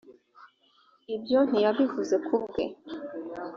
ibyo ntiyabivuze ku bwe